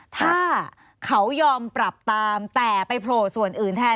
ถ้าเขายอมปรับตามแต่ไปโผล่ส่วนอื่นแทน